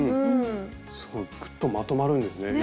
すごいグッとまとまるんですね。